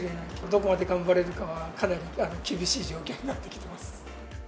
どこまで頑張れるかは、かなり厳しい状況になってきています。